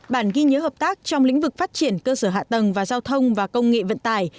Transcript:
bản ghi nhớ hợp tác trong lĩnh vực phát triển cơ sở hạ tầng và giao thông và công nghệ vận tải